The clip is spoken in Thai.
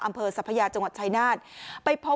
อำเภอสัพยาจังหวัดชายนาฏไปพบ